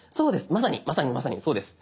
まさにまさにまさにそうです。